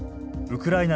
ウクライナ